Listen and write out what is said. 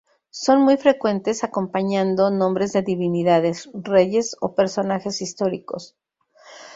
Son muy frecuentes acompañando nombres de divinidades, reyes o personajes históricos.